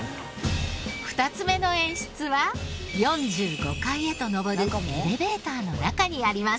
２つ目の演出は４５階へと昇るエレベーターの中にあります。